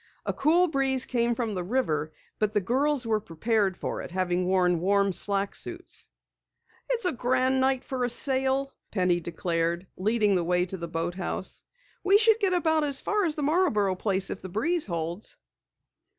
A cool breeze came from the river, but the girls were prepared for it, having worn warm slack suits. "It's a grand night to sail," Penny declared, leading the way to the boathouse. "We should get as far as the Marborough place if the breeze holds."